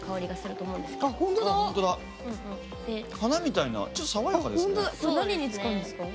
花みたいなちょっと爽やかですね。